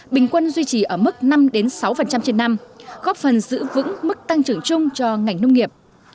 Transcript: bình quân duy trì ở mức năm sáu trên năm góp phần giữ vững mức tăng trưởng chung cho ngành nông nghiệp